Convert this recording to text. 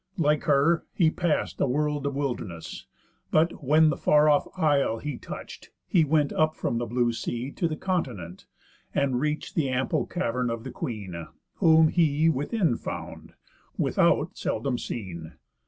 Like her, he pass'd a world of wilderness; But when the far off isle he touch'd, he went Up from the blue sea to the continent, And reach'd the ample cavern of the Queen, Whom he within found, without seldom seen.